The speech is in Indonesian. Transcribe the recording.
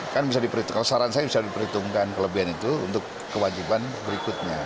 kan bisa diperhitungkan saran saya bisa diperhitungkan kelebihan itu untuk kewajiban berikutnya